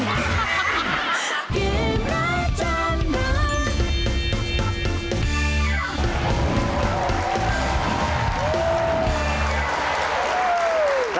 เกมรับจำนำ